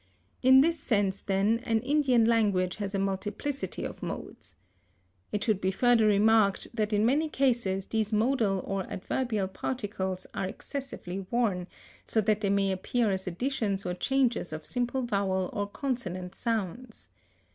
In this sense, then, an Indian language has a multiplicity of modes. It should be further remarked that in many cases these modal or adverbial particles are excessively worn, so that they may appear as additions or changes of simple vowel or consonant sounds.